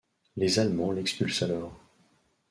Les Allemands l'expulse alors.